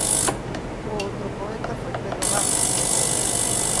O outro poeta foi Pedro Vázquez de Neira.